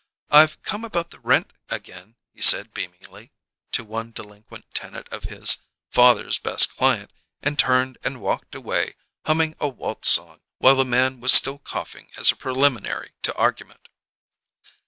"I've come about the rent again," he said beamingly to one delinquent tenant of his father's best client; and turned and walked away, humming a waltz song, while the man was still coughing as a preliminary to argument.